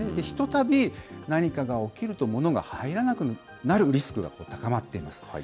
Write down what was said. ひとたび何かが起きると、物が入らなくなるリスクが高まっています。